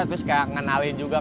terus kayak ngenalin juga